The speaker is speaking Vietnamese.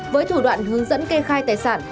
với thủ đoạn hướng dẫn kê khai tài sản